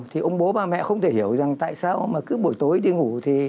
thì ông bố ba mẹ không thể hiểu rằng tại sao mà cứ buổi tối đi ngủ